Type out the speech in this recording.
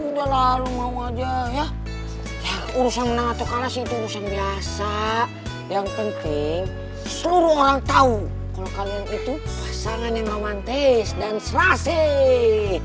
ya udah lah lu mau aja ya urusan menang atau kalah sih itu urusan biasa yang penting seluruh orang tahu kalau kalian itu pasangan yang romantis dan selasih